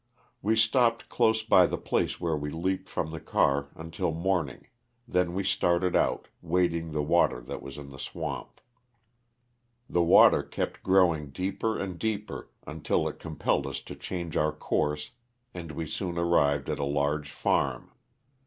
We stopped close by the place where we leaped from the car until morn ing, then we started out, wading the water that was in the swamp. The water kept growing deeper and deeper until it compelled us to change our course and we soon arrived at a large farm.